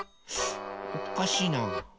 おかしいな。